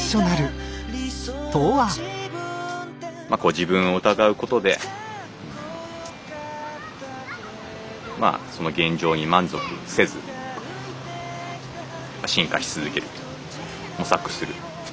自分を疑うことでまあその現状に満足せず進化し続ける模索する。